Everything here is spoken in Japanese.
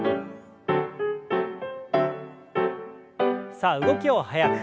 さあ動きを速く。